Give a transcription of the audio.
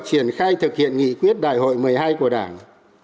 triển khai thực hiện nghị quyết đại hội một mươi hai của đảng